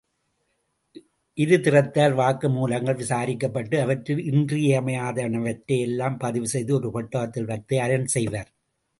இருதிறத்தார் வாக்கு மூலங்கள் விசாரிக்கப்பட்டு, அவற்றுள் இன்றியமையாதனவற்றை யெல்லாம் பதிவு செய்து, ஒரு பெட்டகத்தில் வைத்து அரண் செய்வர்.